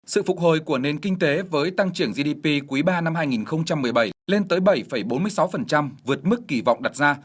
sự phục hồi của nền kinh tế với tăng trưởng gdp quý ba năm hai nghìn một mươi bảy lên tới bảy bốn mươi sáu vượt mức kỳ vọng đặt ra